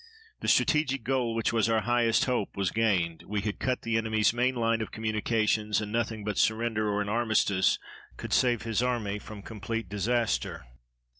The strategical goal which was our highest hope was gained. We had cut the enemy's main line of communications, and nothing but surrender or an armistice could save his army from complete disaster.